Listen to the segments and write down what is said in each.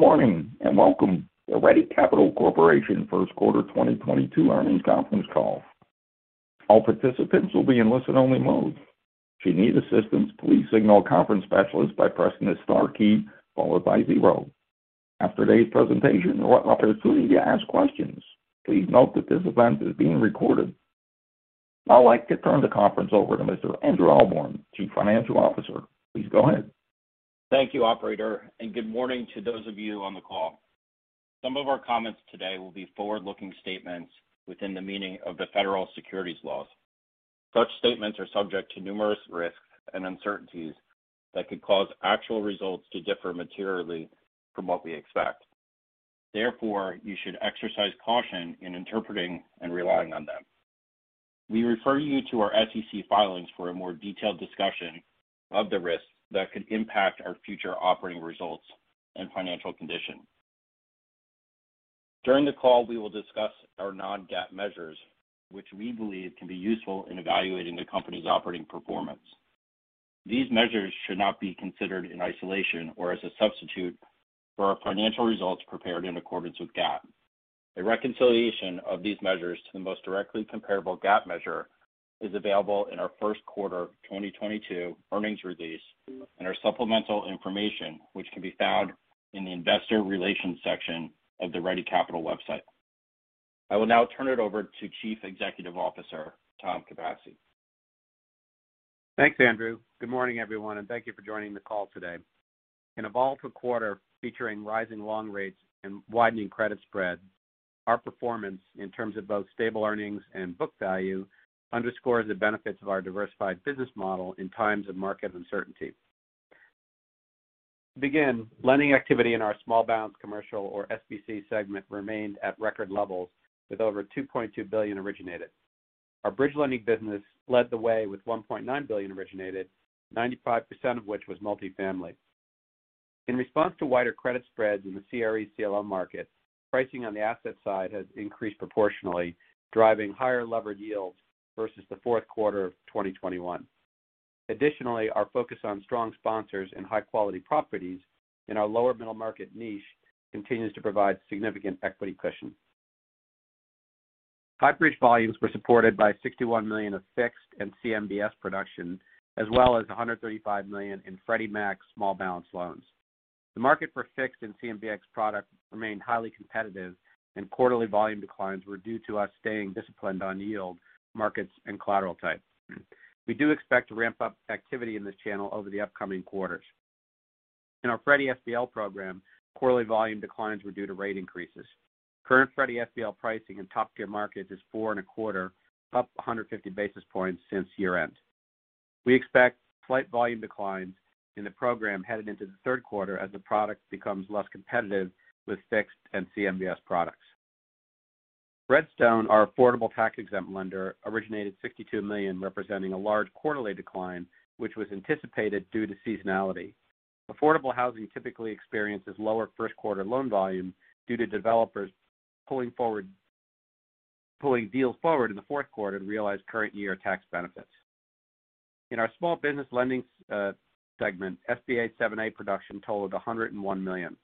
Good morning, and welcome to Ready Capital Corporation first quarter 2022 earnings conference call. All participants will be in listen-only mode. If you need assistance, please signal a conference specialist by pressing the star key followed by zero. After today's presentation, you will have the opportunity to ask questions. Please note that this event is being recorded. I would like to turn the conference over to Mr. Andrew Ahlborn, Chief Financial Officer. Please go ahead. Thank you, operator, and good morning to those of you on the call. Some of our comments today will be forward-looking statements within the meaning of the Federal Securities laws. Such statements are subject to numerous risks and uncertainties that could cause actual results to differ materially from what we expect. Therefore, you should exercise caution in interpreting and relying on them. We refer you to our SEC filings for a more detailed discussion of the risks that could impact our future operating results and financial condition. During the call, we will discuss our non-GAAP measures, which we believe can be useful in evaluating the company's operating performance. These measures should not be considered in isolation or as a substitute for our financial results prepared in accordance with GAAP. A reconciliation of these measures to the most directly comparable GAAP measure is available in our first quarter 2022 earnings release and our supplemental information, which can be found in the investor relations section of the Ready Capital website. I will now turn it over to Chief Executive Officer, Tom Capasse. Thanks, Andrew. Good morning, everyone, and thank you for joining the call today. In a volatile quarter featuring rising long rates and widening credit spread, our performance in terms of both stable earnings and book value underscores the benefits of our diversified business model in times of market uncertainty. To begin, lending activity in our small balance commercial or SBC segment remained at record levels with over $2.2 billion originated. Our bridge lending business led the way with $1.9 billion originated, 95% of which was multifamily. In response to wider credit spreads in the CRE CLO market, pricing on the asset side has increased proportionally, driving higher levered yields versus the fourth quarter of 2021. Additionally, our focus on strong sponsors and high-quality properties in our lower middle market niche continues to provide significant equity cushion. High bridge volumes were supported by $61 million of fixed and CMBS production, as well as $135 million in Freddie Mac small balance loans. The market for fixed and CMBS products remained highly competitive, and quarterly volume declines were due to us staying disciplined on yield markets and collateral type. We do expect to ramp up activity in this channel over the upcoming quarters. In our Freddie SBL program, quarterly volume declines were due to rate increases. Current Freddie SBL pricing in top tier markets is 4.25, up 150 basis points since year-end. We expect slight volume declines in the program headed into the third quarter as the product becomes less competitive with fixed and CMBS products. Red Stone, our affordable tax-exempt lender, originated $62 million, representing a large quarterly decline, which was anticipated due to seasonality. Affordable housing typically experiences lower first quarter loan volume due to developers pulling deals forward in the fourth quarter to realize current year tax benefits. In our small business lending segment, SBA 7(a) production totaled $101 million.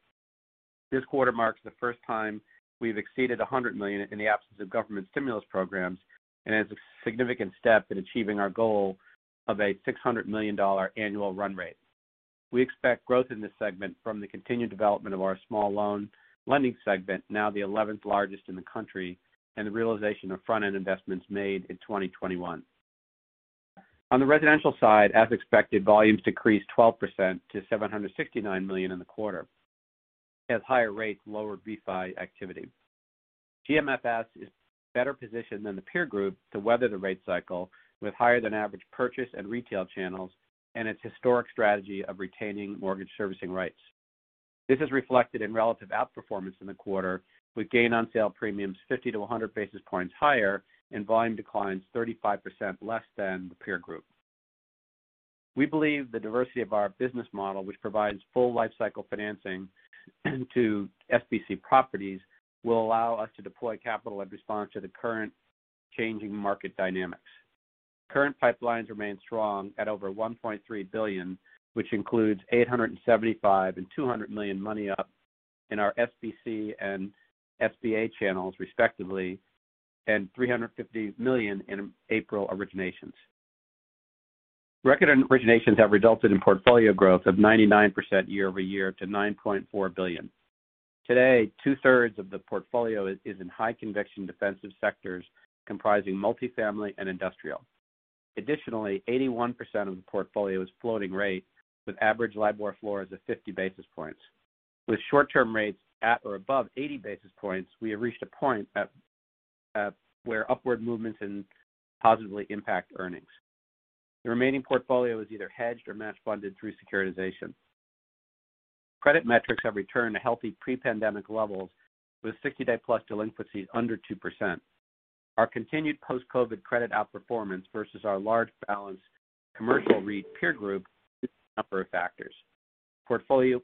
This quarter marks the first time we've exceeded $100 million in the absence of government stimulus programs and is a significant step in achieving our goal of a $600 million annual run rate. We expect growth in this segment from the continued development of our small loan lending segment, now the eleventh largest in the country, and the realization of front-end investments made in 2021. On the Residential side, as expected, volumes decreased 12% to $769 million in the quarter as higher rates lowered refi activity. GMFS is better positioned than the peer group to weather the rate cycle with higher than average purchase and retail channels and its historic strategy of retaining mortgage servicing rights. This is reflected in relative outperformance in the quarter, with gain on sale premiums 50-100 basis points higher and volume declines 35% less than the peer group. We believe the diversity of our business model, which provides full lifecycle financing to SBC properties, will allow us to deploy capital in response to the current changing market dynamics. Current pipelines remain strong at over $1.3 billion, which includes $875 million and $200 million made up in our SBC and SBA channels, respectively, and $350 million in April originations. Record originations have resulted in portfolio growth of 99% year-over-year to $9.4 billion. Today, two-thirds of the portfolio is in high conviction defensive sectors comprising multifamily and industrial. Additionally, 81% of the portfolio is floating rate with average LIBOR floor of 50 basis points. With short term rates at or above 80 basis points, we have reached a point where upward movements can positively impact earnings. The remaining portfolio is either hedged or match funded through securitization. Credit metrics have returned to healthy pre-pandemic levels with 60-day-plus delinquencies under 2%. Our continued post-COVID credit outperformance versus our large balance commercial REIT peer group is due to a number of factors. Portfolio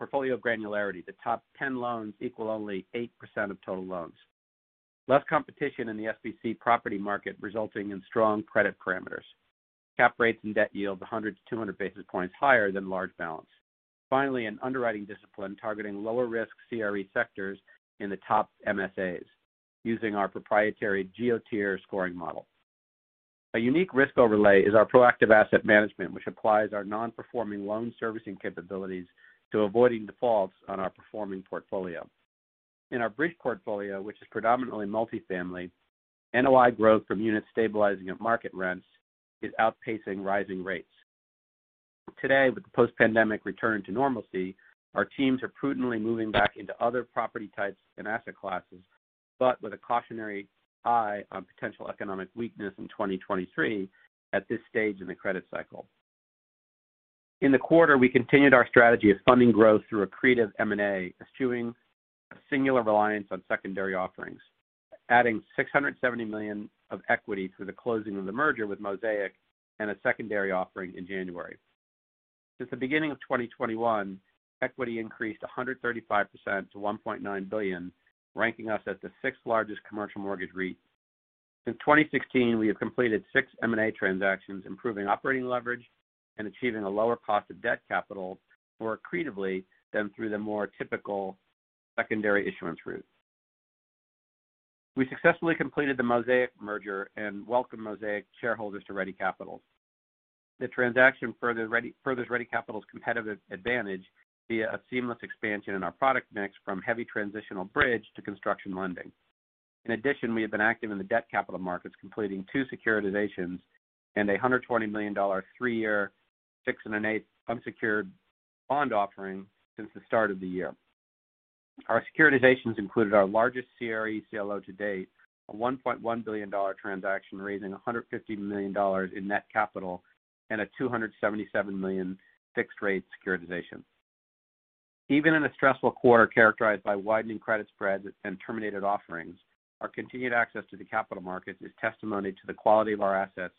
granularity. The top 10 loans equal only 8% of total loans. Less competition in the SBC property market resulting in strong credit parameters. Cap rates and debt yields 100-200 basis points higher than large balance. Finally, an underwriting discipline targeting lower risk CRE sectors in the top MSAs using our proprietary geo-tier scoring model. A unique risk overlay is our proactive asset management, which applies our non-performing loan servicing capabilities to avoiding defaults on our performing portfolio. In our bridge portfolio, which is predominantly multifamily, NOI growth from units stabilizing at market rents is outpacing rising rates. Today, with the post-pandemic return to normalcy, our teams are prudently moving back into other property types and asset classes, but with a cautionary eye on potential economic weakness in 2023 at this stage in the credit cycle. In the quarter, we continued our strategy of funding growth through accretive M&A, eschewing a singular reliance on secondary offerings, adding $670 million of equity through the closing of the merger with Mosaic and a secondary offering in January. Since the beginning of 2021, equity increased 135% to $1.9 billion, ranking us as the sixth-largest commercial mortgage REIT. Since 2016, we have completed six M&A transactions, improving operating leverage and achieving a lower cost of debt capital more accretively than through the more typical secondary issuance route. We successfully completed the Mosaic merger and welcomed Mosaic shareholders to Ready Capital. The transaction furthers Ready Capital's competitive advantage via a seamless expansion in our product mix from heavy transitional bridge to construction lending. In addition, we have been active in the debt capital markets, completing two securitizations and a $120 million three-year 6.875% unsecured bond offering since the start of the year. Our securitizations included our largest CRE CLO to date, a $1.1 billion transaction raising $150 million in net capital and a $277 million fixed rate securitization. Even in a stressful quarter characterized by widening credit spreads and terminated offerings, our continued access to the capital markets is testimony to the quality of our assets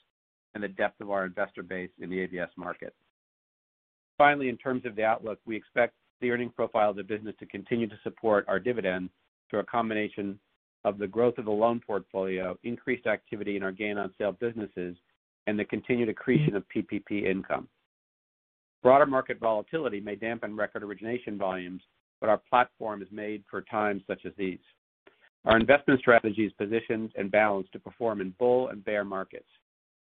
and the depth of our investor base in the ABS market. Finally, in terms of the outlook, we expect the earning profile of the business to continue to support our dividend through a combination of the growth of the loan portfolio, increased activity in our gain-on-sale businesses, and the continued accretion of PPP income. Broader market volatility may dampen record origination volumes, but our platform is made for times such as these. Our investment strategy is positioned and balanced to perform in bull and bear markets.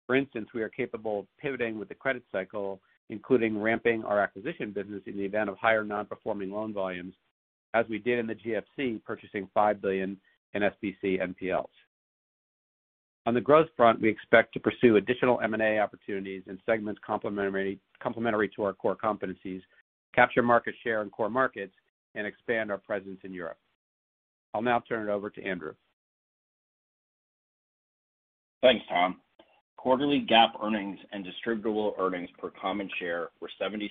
For instance, we are capable of pivoting with the credit cycle, including ramping our acquisition business in the event of higher non-performing loan volumes, as we did in the GFC, purchasing $5 billion in SBA NPLs. On the growth front, we expect to pursue additional M&A opportunities in segments complementary to our core competencies, capture market share in core markets, and expand our presence in Europe. I'll now turn it over to Andrew. Thanks, Tom. Quarterly GAAP earnings and distributable earnings per common share were $0.70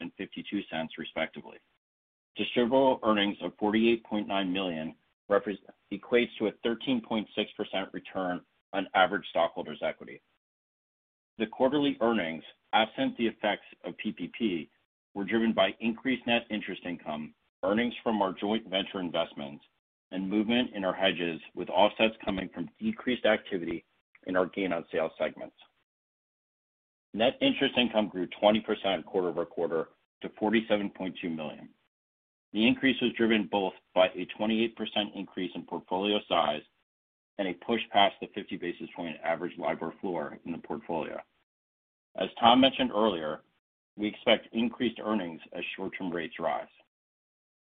and $0.52, respectively. Distributable earnings of $48.9 million equates to a 13.6% return on average stockholders' equity. The quarterly earnings, absent the effects of PPP, were driven by increased net interest income, earnings from our joint venture investments, and movement in our hedges, with offsets coming from decreased activity in our gain-on-sale segments. Net interest income grew 20% quarter-over-quarter to $47.2 million. The increase was driven both by a 28% increase in portfolio size and a push past the 50 basis point average LIBOR floor in the portfolio. As Tom mentioned earlier, we expect increased earnings as short-term rates rise.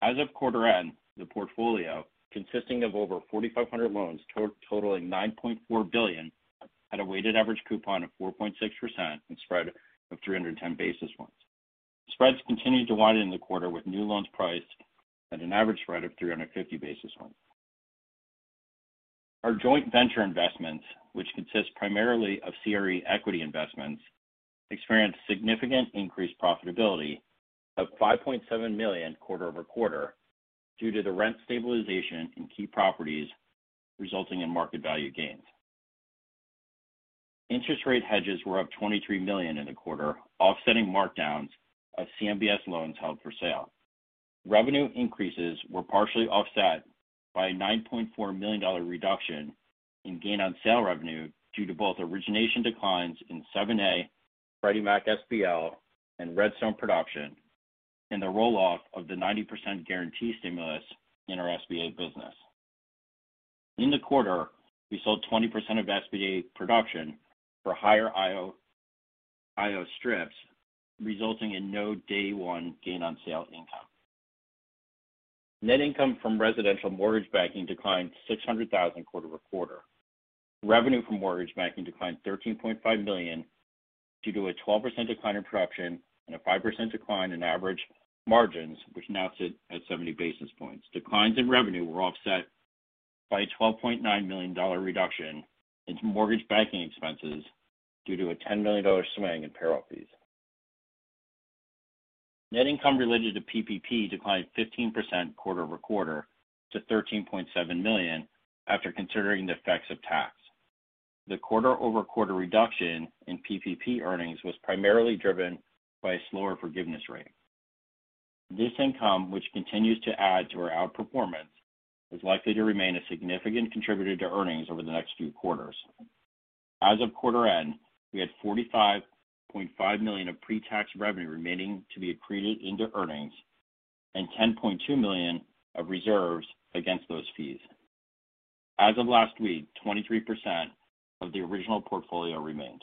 As of quarter end, the portfolio, consisting of over 4,500 loans totaling $9.4 billion at a weighted average coupon of 4.6% and spread of 310 basis points. Spreads continued to widen in the quarter with new loans priced at an average spread of 350 basis points. Our joint venture investments, which consist primarily of CRE equity investments, experienced significant increased profitability of $5.7 million quarter-over-quarter due to the rent stabilization in key properties resulting in market value gains. Interest rate hedges were up $23 million in the quarter, offsetting markdowns of CMBS loans held for sale. Revenue increases were partially offset by a $9.4 million reduction in gain-on-sale revenue due to both origination declines in SBA 7(a), Freddie Mac SBL, and Red Stone production, and the roll-off of the 90% guarantee stimulus in our SBA business. In the quarter, we sold 20% of SBA production for higher IO strips, resulting in no day one gain on sale income. Net income from Residential mortgage banking declined $600,000 quarter-over-quarter. Revenue from mortgage banking declined $13.5 million due to a 12% decline in production and a 5% decline in average margins, which now sit at 70 basis points. Declines in revenue were offset by a $12.9 million reduction in mortgage banking expenses due to a $10 million swing in payroll fees. Net income related to PPP declined 15% quarter-over-quarter to $13.7 million after considering the effects of tax. The quarter-over-quarter reduction in PPP earnings was primarily driven by a slower forgiveness rate. This income, which continues to add to our outperformance, is likely to remain a significant contributor to earnings over the next few quarters. As of quarter end, we had $45.5 million of pre-tax revenue remaining to be accreted into earnings and $10.2 million of reserves against those fees. As of last week, 23% of the original portfolio remains.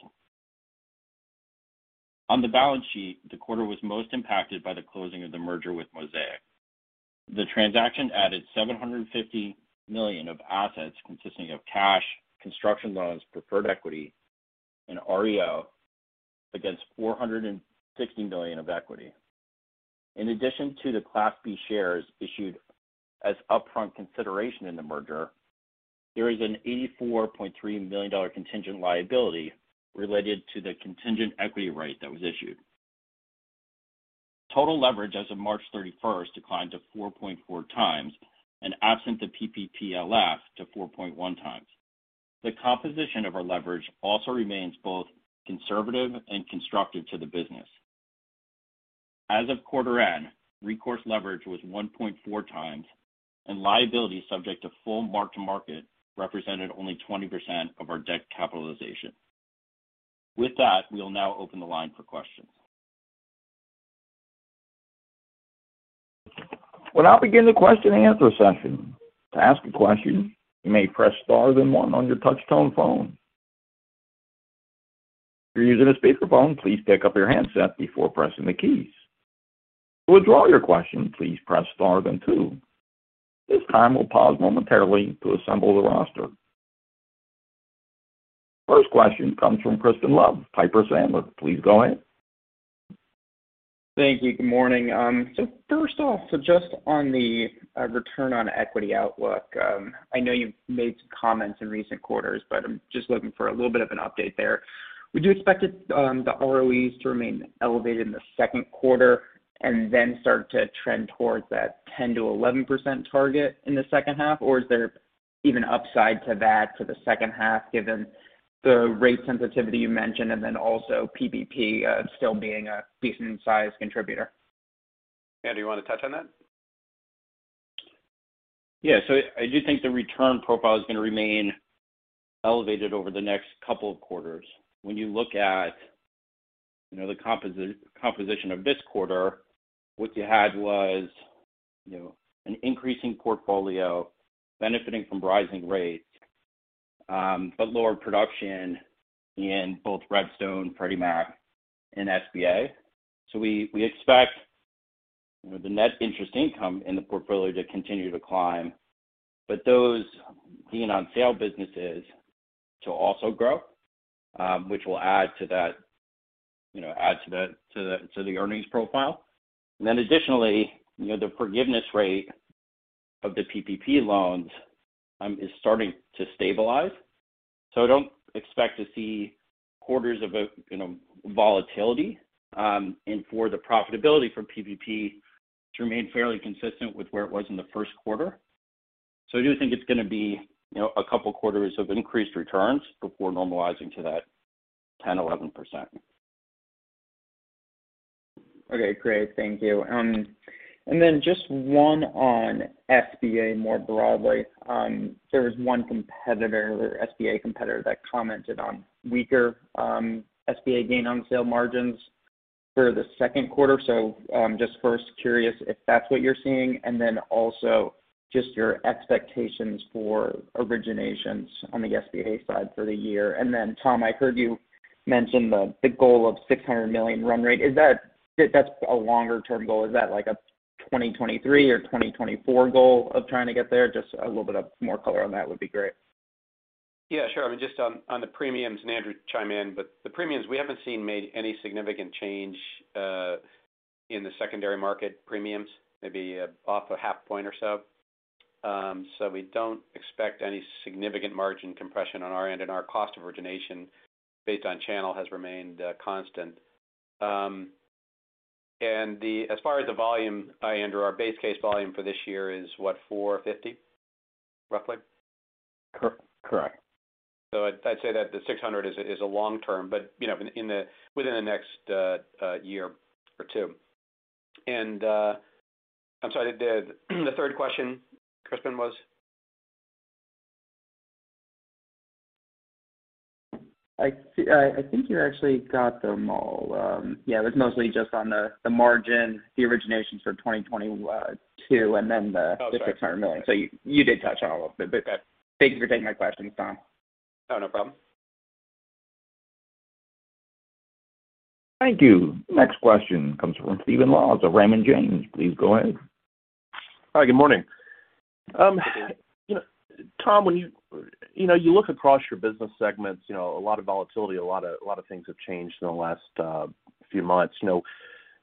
On the balance sheet, the quarter was most impacted by the closing of the merger with Mosaic. The transaction added $750 million of assets consisting of cash, construction loans, preferred equity, and REO against $460 million of equity. In addition to the Class B shares issued as upfront consideration in the merger, there is an $84.3 million contingent liability related to the contingent equity rate that was issued. Total leverage as of March 31st declined to 4.4 times and absent the PPPLF to 4.1 times. The composition of our leverage also remains both conservative and constructive to the business. As of quarter end, recourse leverage was 1.4 times, and liabilities subject to full mark-to-market represented only 20% of our debt capitalization. With that, we will now open the line for questions. We'll now begin the question and answer session. To ask a question, you may press star then one on your touch-tone phone. If you're using a speakerphone, please pick up your handset before pressing the keys. To withdraw your question, please press star then two. At this time, we'll pause momentarily to assemble the roster. First question comes from Crispin Love, Piper Sandler. Please go ahead. Thank you. Good morning. First off, so just on the return on equity outlook, I know you've made some comments in recent quarters, but I'm just looking for a little bit of an update there. Would you expect the ROEs to remain elevated in the second quarter and then start to trend towards that 10%-11% target in the second half? Or is there even upside to that for the second half given the rate sensitivity you mentioned, and then also PPP still being a decent-sized contributor? Yeah. Do you want to touch on that? Yeah. I do think the return profile is going to remain elevated over the next couple of quarters. When you look at, you know, the composition of this quarter, what you had was, you know, an increasing portfolio benefiting from rising rates, but lower production in both Red Stone, Freddie Mac and SBA. We expect, you know, the net interest income in the portfolio to continue to climb, but those gain on sale businesses to also grow, which will add to that, you know, add to the earnings profile. Then additionally, you know, the forgiveness rate of the PPP loans is starting to stabilize. I don't expect to see quarters of, you know, volatility, and for the profitability for PPP to remain fairly consistent with where it was in the first quarter. I do think it's going to be, you know, a couple quarters of increased returns before normalizing to that 10%-11%. Okay, great. Thank you. Just one on SBA more broadly. There was one competitor or SBA competitor that commented on weaker SBA gain on sale margins for the second quarter. Just first curious if that's what you're seeing, and then also just your expectations for originations on the SBA side for the year. Tom, I heard you mention the goal of $600 million run rate. Is that a longer-term goal? Is that like a 2023 or 2024 goal of trying to get there? Just a little bit more color on that would be great. Yeah, sure. I mean, just on the premiums, and Andrew chime in, but the premiums we haven't seen any significant change in the secondary market premiums, maybe off 0.5 point or so. We don't expect any significant margin compression on our end. Our cost of origination based on channel has remained constant. As far as the volume, Andrew, our base case volume for this year is what? $450, roughly? Correct. I'd say that the $600 is a long term, but you know, within the next year or two. I'm sorry, the third question, Crispin, was? I see. I think you actually got them all. Yeah, it was mostly just on the margin, the originations for 2022, and then the- Oh, sorry. $600 million. You did touch on all of it, but thank you for taking my questions, Tom. Oh, no problem. Thank you. Next question comes from Stephen Laws of Raymond James. Please go ahead. Hi, good morning. You know, Tom, when you know, you look across your business segments, you know, a lot of volatility, a lot of things have changed in the last few months, you know,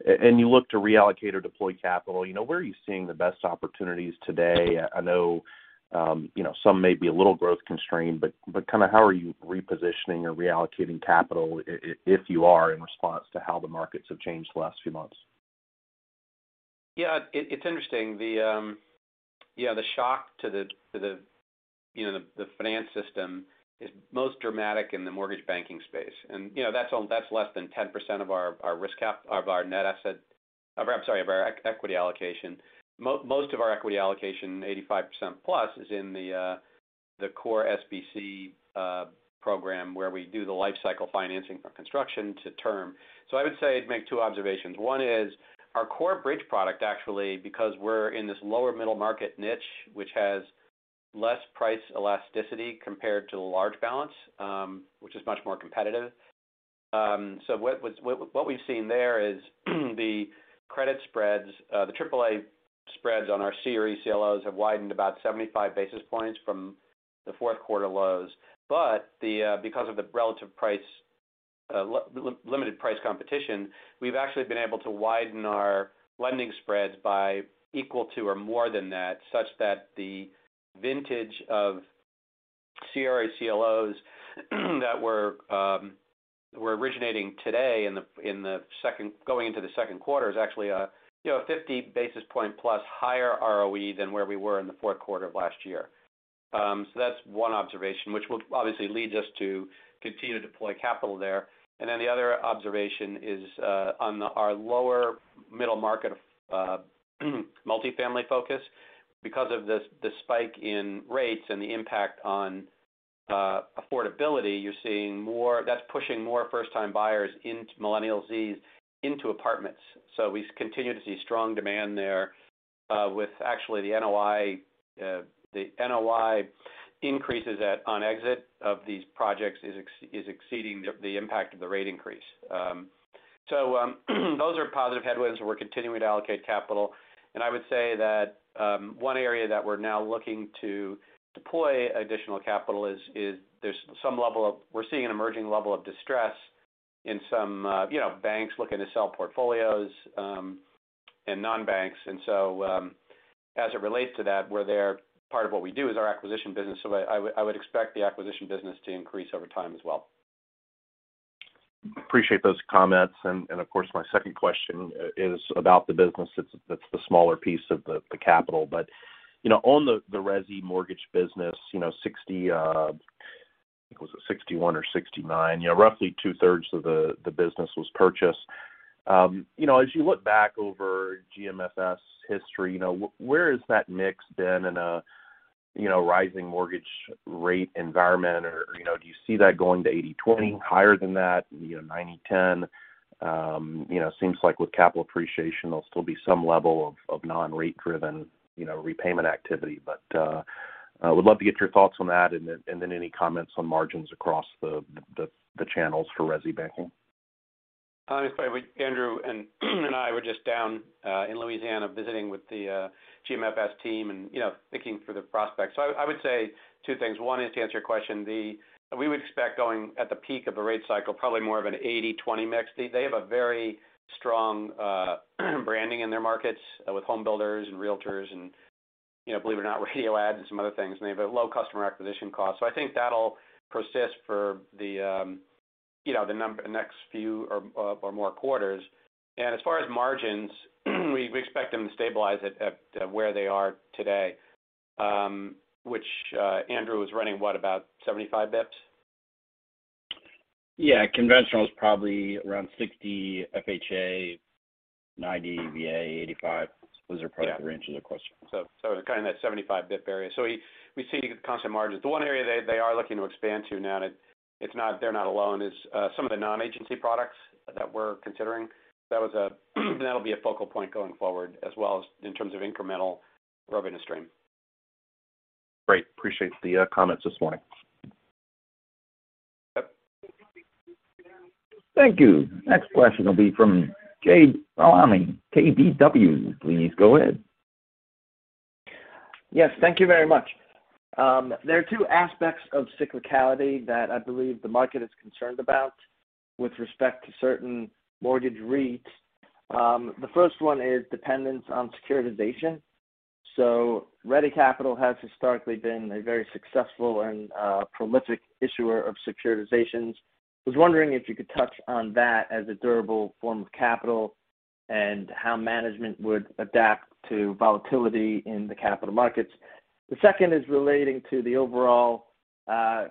and you look to reallocate or deploy capital, you know, where are you seeing the best opportunities today? I know, you know, some may be a little growth constrained, but kind of how are you repositioning or reallocating capital if you are in response to how the markets have changed the last few months? Yeah. It's interesting. Yeah, the shock to the, you know, the finance system is most dramatic in the mortgage banking space. You know, that's less than 10% of our equity allocation. Most of our equity allocation, 85% plus is in the core SBC program where we do the life cycle financing from construction to term. I would say I'd make two observations. One is our core bridge product, actually, because we're in this lower middle-market niche, which has less price elasticity compared to the large balance, which is much more competitive. What we've seen there is the credit spreads, the triple A spreads on our CRE CLOs have widened about 75 basis points from the fourth quarter lows. Because of the relatively limited price competition, we've actually been able to widen our lending spreads by equal to or more than that, such that the vintage of CRE CLOs that we're originating today in the second quarter is actually, you know, a 50 basis point-plus higher ROE than where we were in the fourth quarter of last year. That's one observation which will obviously leads us to continue to deploy capital there. The other observation is on our lower middle market multi-family focus. Because of this, the spike in rates and the impact on affordability, you're seeing more. That's pushing more first-time buyers, millennials and Gen Zs, into apartments. We continue to see strong demand there, with actually the NOI increases upon exit of these projects is exceeding the impact of the rate increase. Those are positive headwinds, and we're continuing to allocate capital. I would say that one area that we're now looking to deploy additional capital is. We're seeing an emerging level of distress in some, you know, banks looking to sell portfolios, and non-banks. As it relates to that, we're there. Part of what we do is our acquisition business. I would expect the acquisition business to increase over time as well. Appreciate those comments. Of course, my second question is about the business that's the smaller piece of the capital. You know, on the Resi mortgage business, you know, 60, I think was it 61 or 69, you know, roughly two-thirds of the business was purchased. You know, as you look back over GMFS history, you know, where has that mix been in a you know, rising mortgage rate environment? You know, do you see that going to 80-20, higher than that, you know, 90-10? You know, seems like with capital appreciation, there'll be some level of non-rate driven, you know, repayment activity. I would love to get your thoughts on that and then any comments on margins across the channels for Resi banking. Honestly, Andrew and I were just down in Louisiana visiting with the GMFS team and, you know, thinking through the prospects. I would say two things. One is to answer your question. We would expect going at the peak of a rate cycle, probably more of an 80-20 mix. They have a very strong branding in their markets with home builders and realtors and, you know, believe it or not, radio ads and some other things, and they have a low customer acquisition cost. I think that'll persist for the, you know, the next few or more quarters. As far as margins, we expect them to stabilize at where they are today, which Andrew was running what, about 75 basis points? Yeah. Conventional is probably around 60 FHA, 90 VA, 85. Those are probably the range of the question. Kind of that 75 bp area. We see constant margins. The one area they are looking to expand to now, and it's not, they're not alone, is some of the non-agency products that we're considering. That'll be a focal point going forward as well as in terms of incremental revenue stream. Great. Appreciate the comments this morning. Yep. Thank you. Next question will be from Jade Rahmani, KBW, please go ahead. Yes, thank you very much. There are two aspects of cyclicality that I believe the market is concerned about with respect to certain mortgage REITs. The first one is dependence on securitization. Ready Capital has historically been a very successful and prolific issuer of securitizations. I was wondering if you could touch on that as a durable form of capital and how management would adapt to volatility in the capital markets. The second is relating to the overall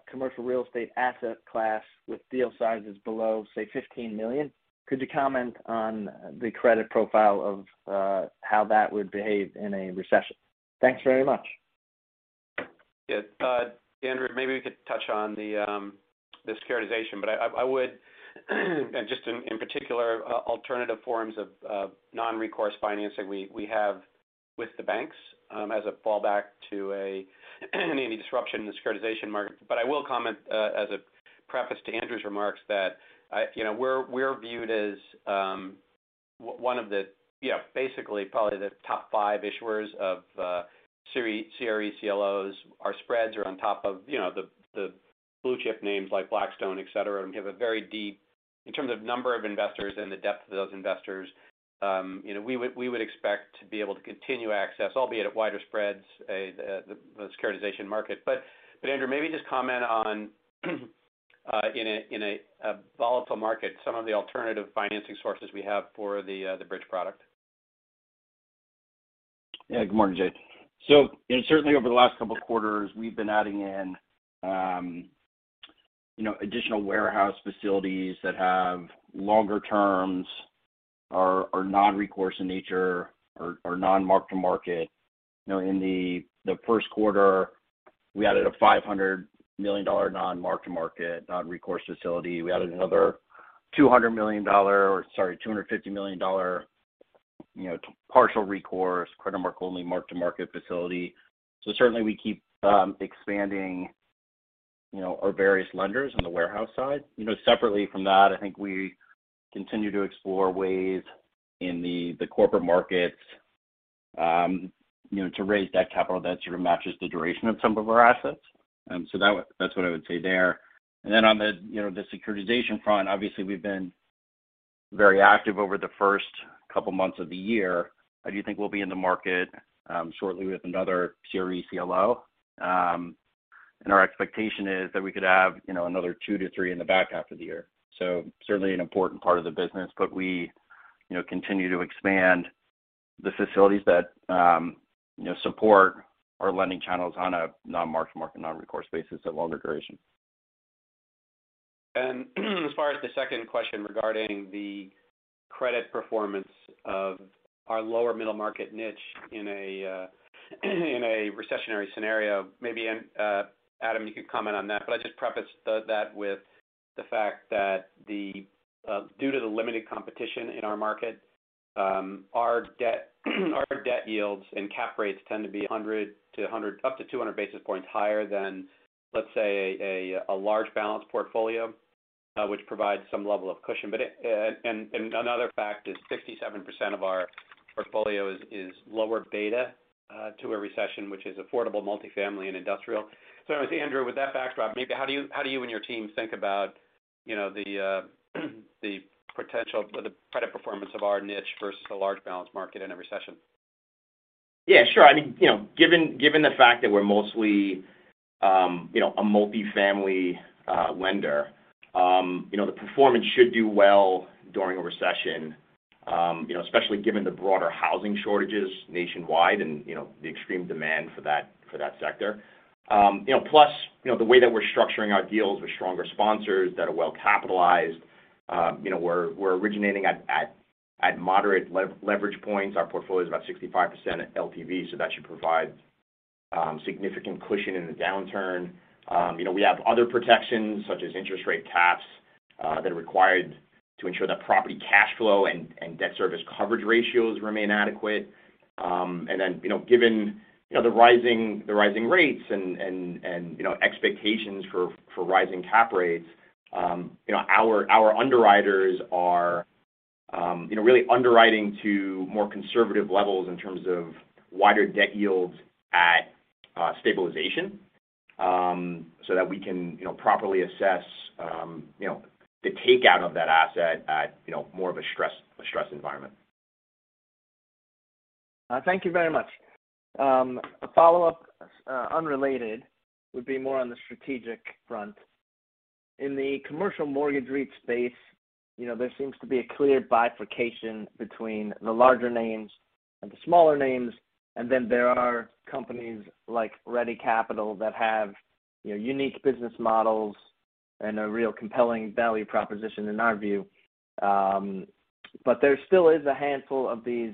commercial real estate asset class with deal sizes below, say, $15 million. Could you comment on the credit profile of how that would behave in a recession? Thanks very much. Yeah. Andrew, maybe we could touch on the securitization. I would just, in particular, alternative forms of non-recourse financing we have with the banks, as a fallback to any disruption in the securitization market. I will comment, as a preface to Andrew's remarks, that you know, we're viewed as one of the, you know, basically probably the top five issuers of CRE CLOs. Our spreads are on top of you know, the blue chip names like Blackstone, et cetera, and we have a very deep in terms of number of investors and the depth of those investors. You know, we would expect to be able to continue to access, albeit at wider spreads, the securitization market. Andrew, maybe just comment on, in a volatile market, some of the alternative financing sources we have for the bridge product. Yeah. Good morning, Jade. Certainly over the last couple of quarters, we've been adding in, you know, additional warehouse facilities that have longer terms, are non-recourse in nature or non-mark-to-market. You know, in the first quarter, we added a $500 million non-mark-to-market, non-recourse facility. We added another $250 million, you know, partial recourse, mark-to-market facility. Certainly we keep expanding, you know, our various lenders on the warehouse side. You know, separately from that, I think we continue to explore ways in the corporate markets, you know, to raise that capital that matches the duration of some of our assets. That's what I would say there. Then on the, you know, the securitization front, obviously, we've been very active over the first couple months of the year. I do think we'll be in the market, shortly with another CRE CLO. Our expectation is that we could have, you know, another two to threein the back half of the year. Certainly an important part of the business. We, you know, continue to expand the facilities that, you know, support our lending channels on a non-mark-to-market, non-recourse basis of longer duration. As far as the second question regarding the credit performance of our lower middle market niche in a recessionary scenario, maybe Adam, you could comment on that, but I just preface that with the fact that due to the limited competition in our market, our debt yields and cap rates tend to be 100 up to 200 basis points higher than, let's say, a large balance portfolio, which provides some level of cushion. But and another fact is 67% of our portfolio is lower beta to a recession which is affordable multifamily and industrial. Andrew, with that backdrop, maybe how do you and your team think about, you know, the potential or the credit performance of our niche versus the large balance market in a recession? Yeah, sure. I mean, you know, given the fact that we're mostly a multifamily lender, you know, the performance should do well during a recession, you know, especially given the broader housing shortages nationwide and, you know, the extreme demand for that sector. You know, plus, you know, the way that we're structuring our deals with stronger sponsors that are well capitalized, you know, we're originating at moderate leverage points. Our portfolio is about 65% LTV, so that should provide significant cushion in the downturn. You know, we have other protections, such as interest rate caps, that are required to ensure that property cash flow and debt service coverage ratios remain adequate. You know, given you know the rising rates and you know expectations for rising cap rates, you know, our underwriters are you know really underwriting to more conservative levels in terms of wider debt yields at stabilization, so that we can you know properly assess you know the takeout of that asset at you know more of a stress environment. Thank you very much. A follow-up, unrelated, would be more on the strategic front. In the commercial mortgage REIT space, you know, there seems to be a clear bifurcation between the larger names and the smaller names. There are companies like Ready Capital that have, you know, unique business models and a real compelling value proposition in our view. There still is a handful of these,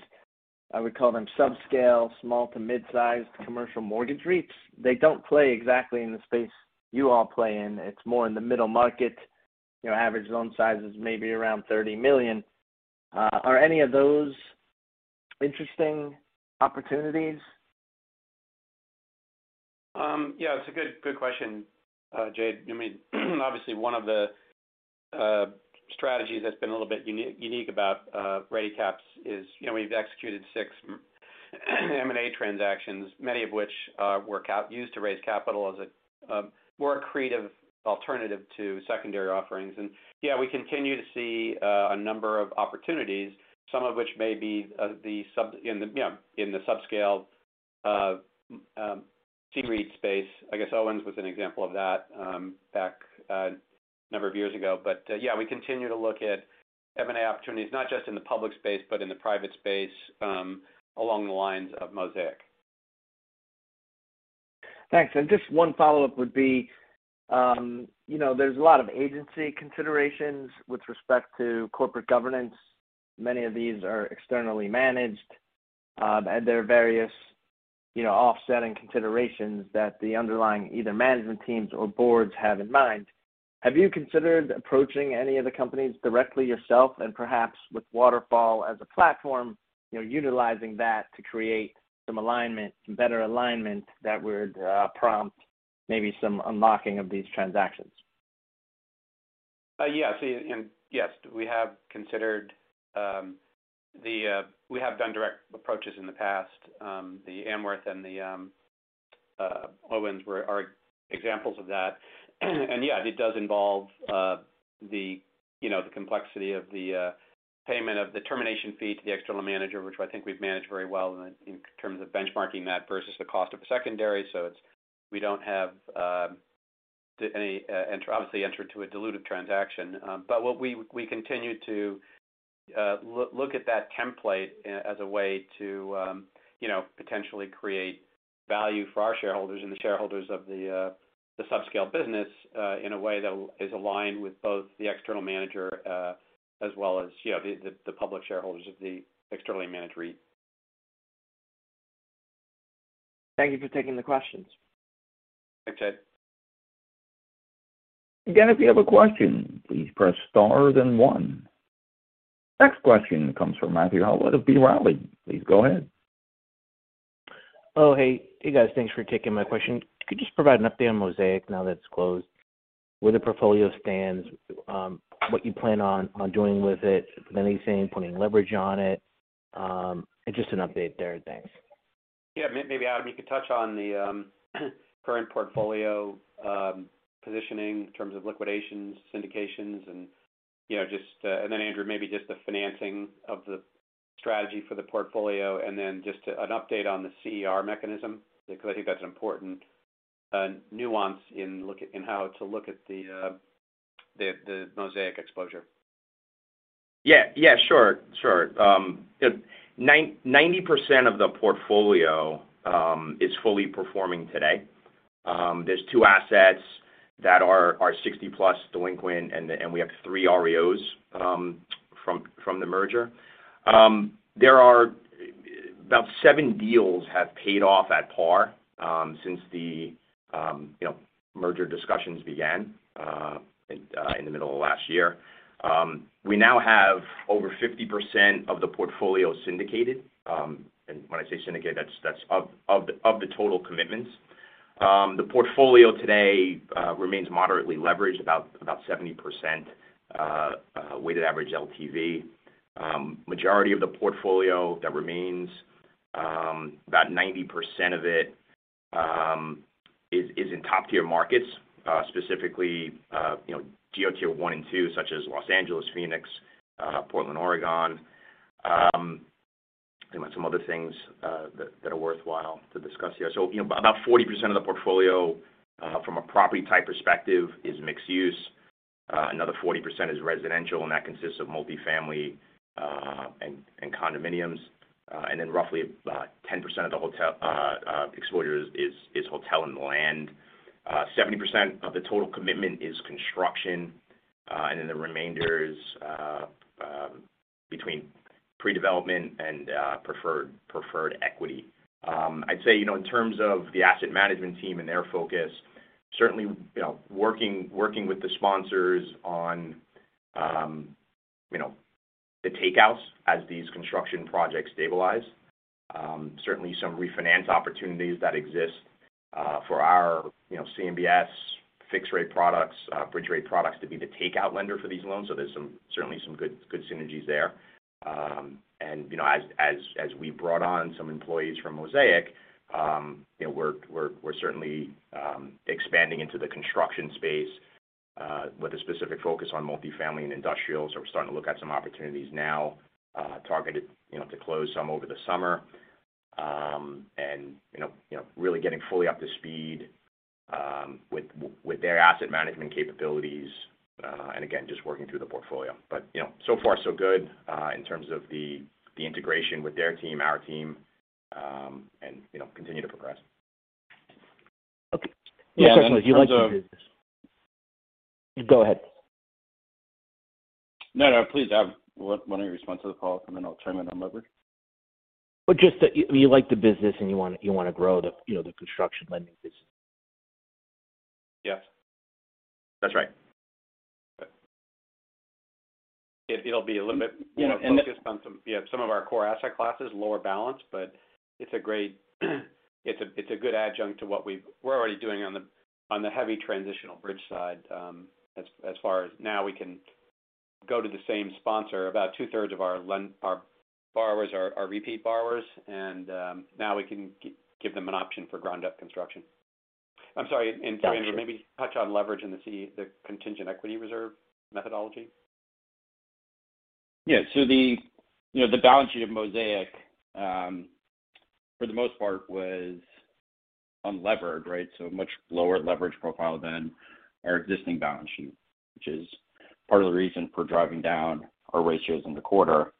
I would call them subscale, small to mid-sized commercial mortgage REITs. They don't play exactly in the space you all play in. It's more in the middle market, you know, average loan size is maybe around $30 million. Are any of those interesting opportunities? Yeah, it's a good question, Jade. I mean, obviously one of the strategies that's been a little bit unique about Ready Capital is, you know, we've executed six M&A transactions, many of which were used to raise capital as a more creative alternative to secondary offerings. Yeah, we continue to see a number of opportunities, some of which may be in the subscale C REIT space. I guess Owens was an example of that back a number of years ago. Yeah, we continue to look at M&A opportunities, not just in the public space, but in the private space, along the lines of Mosaic. Thanks. Just one follow-up would be, you know, there's a lot of agency considerations with respect to corporate governance. Many of these are externally managed, and there are various, you know, offsetting considerations that the underlying either management teams or boards have in mind. Have you considered approaching any of the companies directly yourself and perhaps with Waterfall as a platform, you know, utilizing that to create some alignment, some better alignment that would prompt maybe some unlocking of these transactions? Yes. We have considered. We have done direct approaches in the past. The Anworth and the Owens are examples of that. Yeah, it does involve you know, the complexity of the payment of the termination fee to the external manager, which I think we've managed very well in terms of benchmarking that versus the cost of a secondary. We don't have any obvious intent to enter a dilutive transaction. What we continue to look at that template as a way to you know, potentially create value for our shareholders and the shareholders of the subscale business in a way that is aligned with both the external manager as well as you know, the public shareholders of the externally managed REIT. Thank you for taking the questions. Thanks, Ed. Again, if you have a question, please press star then one. Next question comes from Matthew Howlett of B. Riley. Please go ahead. Oh, hey. Hey, guys. Thanks for taking my question. Could you just provide an update on Mosaic now that it's closed, where the portfolio stands, what you plan on doing with it? If anything, putting leverage on it. Just an update there. Thanks. Maybe, Adam, you could touch on the current portfolio positioning in terms of liquidations, syndications, and, you know, just. Then Andrew, maybe just the financing of the strategy for the portfolio and then just an update on the CER mechanism, because I think that's an important nuance in looking at how to look at the Mosaic exposure. Yeah. Yeah, sure. 99% of the portfolio is fully performing today. There are two assets that are 60+ delinquent, and we have 3 REOs from the merger. There are about 7 deals have paid off at par since the you know merger discussions began in the middle of last year. We now have over 50% of the portfolio syndicated. When I say syndicated, that's of the total commitments. The portfolio today remains moderately leveraged, about 70% weighted average LTV. Majority of the portfolio that remains, about 90% of it, is in top-tier markets, specifically you know geo-tier one and two, such as Los Angeles, Phoenix, Portland, Oregon. I think some other things that are worthwhile to discuss here. You know, about 40% of the portfolio from a property type perspective is mixed use. Another 40% is Residential, and that consists of multifamily and condominiums. And then roughly about 10% of the total exposure is hotel and land. 70% of the total commitment is construction, and then the remainder is between pre-development and preferred equity. I'd say, you know, in terms of the asset management team and their focus, certainly, you know, working with the sponsors on, you know, the takeouts as these construction projects stabilize. Certainly some refinance opportunities that exist for our, you know, CMBS fixed-rate products, bridge-to-rate products to be the takeout lender for these loans. There's certainly some good synergies there. You know, as we brought on some employees from Mosaic, you know, we're certainly expanding into the construction space with a specific focus on multi-family and industrial. We're starting to look at some opportunities now, targeted, you know, to close some over the summer. You know, really getting fully up to speed with their asset management capabilities and again, just working through the portfolio. You know, so far so good in terms of the integration with their team, our team and continue to progress. Okay. Go ahead. No, no, please. Why don't you respond to the follow-up, and then I'll turn it on leverage. Just that you like the business and you wanna grow the, you know, the construction lending business. Yes. That's right. It'll be a little bit, you know, focused on some of our core asset classes, lower balance, but it's a great, it's a good adjunct to what we're already doing on the heavy transitional bridge side. As far as now we can go to the same sponsor. About two-thirds of our borrowers are repeat borrowers, and now we can give them an option for ground-up construction. I'm sorry. Andrew, maybe touch on leverage and the contingent equity reserve methodology. Yeah. The, you know, the balance sheet of Mosaic for the most part was unlevered, right? Much lower leverage profile than our existing balance sheet, which is part of the reason for driving down our ratios in the quarter.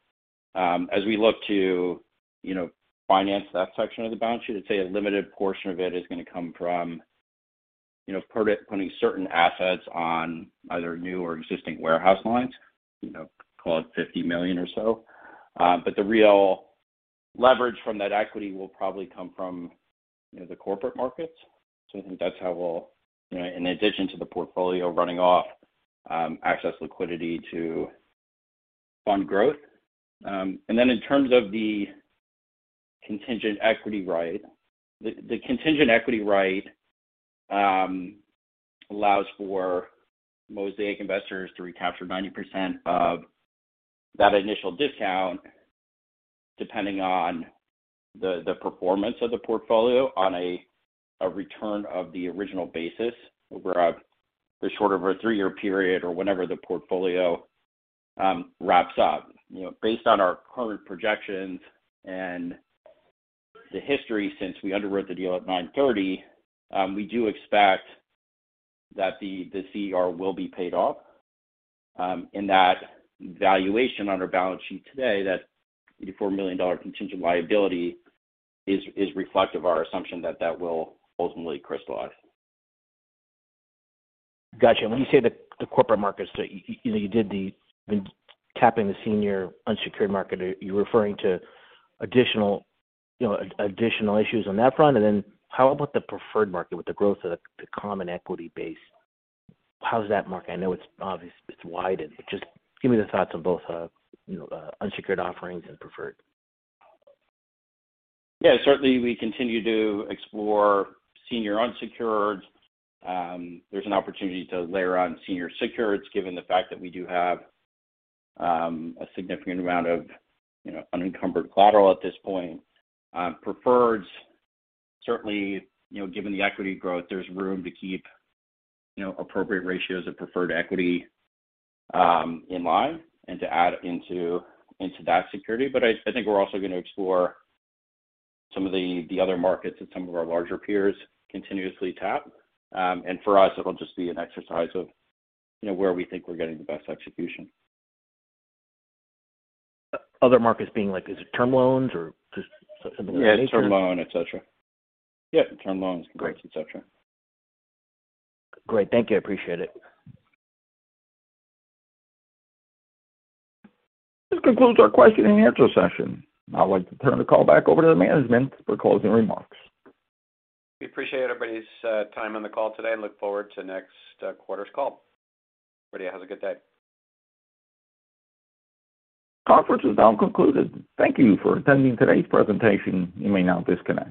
As we look to, you know, finance that section of the balance sheet, I'd say a limited portion of it is gonna come from, you know, putting certain assets on either new or existing warehouse lines. You know, call it $50 million or so. But the real leverage from that equity will probably come from, you know, the corporate markets. I think that's how we'll, you know, in addition to the portfolio running off, access liquidity to fund growth. And then in terms of the contingent equity right. The contingent equity right allows for Mosaic investors to recapture 90% of that initial discount. Depending on the performance of the portfolio on a return of the original basis over a three-year period or whenever the portfolio wraps up. You know, based on our current projections and the history since we underwrote the deal at 9.30, we do expect that the CER will be paid off, and that valuation on our balance sheet today, that $84 million contingent liability is reflective of our assumption that will ultimately crystallize. Got you. When you say the corporate markets that you know you did tapping the senior unsecured market, are you referring to additional, you know, additional issues on that front? How about the preferred market with the growth of the common equity base? How's that market? I know it's obvious it's widened, but just give me the thoughts on both, you know, unsecured offerings and preferred. Yeah, certainly we continue to explore senior unsecured. There's an opportunity to layer on senior secured, given the fact that we do have a significant amount of, you know, unencumbered collateral at this point. Preferred certainly, you know, given the equity growth, there's room to keep, you know, appropriate ratios of preferred equity in line and to add into that security. I think we're also gonna explore some of the other markets that some of our larger peers continuously tap. For us, it'll just be an exercise of, you know, where we think we're getting the best execution. Other markets being like, is it term loans or just similar to? Yeah, term loan, et cetera. Yeah, term loans, converts, et cetera. Great. Thank you. I appreciate it. This concludes our question and answer session. I'd like to turn the call back over to the management for closing remarks. We appreciate everybody's time on the call today and look forward to next quarter's call. Everybody have a good day. Conference is now concluded. Thank you for attending today's presentation. You may now disconnect.